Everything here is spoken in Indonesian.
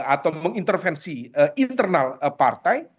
atau mengintervensi internal partai